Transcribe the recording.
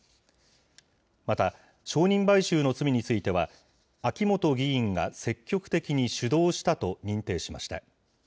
また証人買収の罪については、秋元議員が積極的に主導したと認定しました。